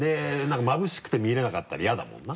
まぶしくて見れなかったら嫌だもんな。